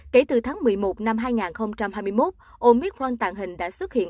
kể từ tháng một mươi một năm hai nghìn hai mươi một omicron tàng hình đã xuất hiện